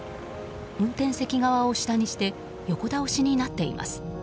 運転席側を下にして横倒しになっています。